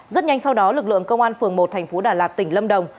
rất nhanh sau đó lực lượng công an phường một tp đà lạt tỉnh lâm đồng